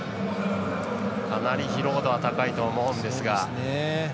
かなり疲労度は高いと思うんですが。